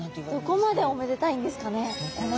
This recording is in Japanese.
どこまでおめでたいんですかね。